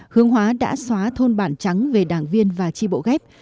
hương hóa đã xóa thôn bản trắng về đảng viên và tri bộ ghép